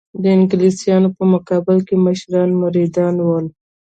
د انګلیسیانو په مقابل کې مشران مریدان ول.